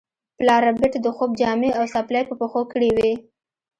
پلار ربیټ د خوب جامې او څپلۍ په پښو کړې وې